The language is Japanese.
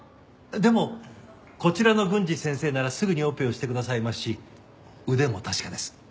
でもこちらの郡司先生ならすぐにオペをしてくださいますし腕も確かです。